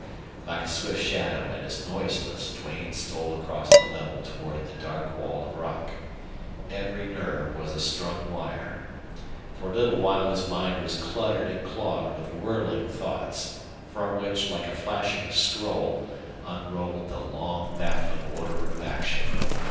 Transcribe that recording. Like a swift shadow and as noiseless Duane stole across the level toward the dark wall of rock. Every nerve was a strung wire. For a little while his mind was cluttered and clogged with whirling thoughts, from which, like a flashing scroll, unrolled the long, baffling order of action.